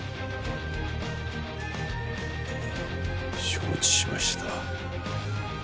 承知しました。